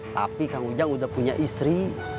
tapi kang ujang udah punya istri